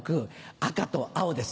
赤と青です。